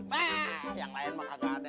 wah yang lain mah kagak ada